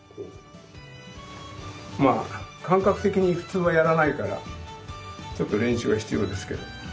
まあ感覚的に普通はやらないからちょっと練習が必要ですけど。